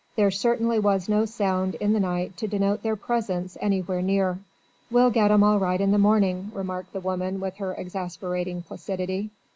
There certainly was no sound in the night to denote their presence anywhere near. "We'll get 'em all right in the morning," remarked the woman with her exasperating placidity.